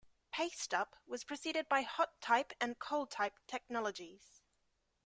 Paste up was preceded by hot type and cold type technologies.